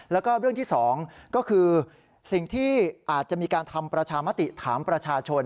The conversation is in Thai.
แล้วก็เรื่องที่๒ก็คือสิ่งที่อาจจะมีการทำประชามติถามประชาชน